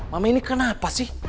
mama ini kenapa sih